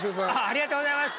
ありがとうございます。